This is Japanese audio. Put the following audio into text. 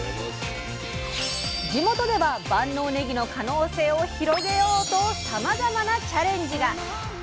地元では万能ねぎの可能性を広げようとさまざまなチャレンジが！